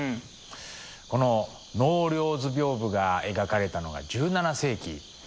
この「納涼図屏風」が描かれたのが１７世紀。